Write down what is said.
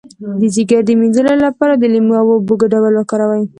د ځیګر د مینځلو لپاره د لیمو او اوبو ګډول وکاروئ